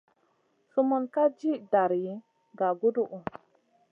Sumun ka tì dari gaguduhu.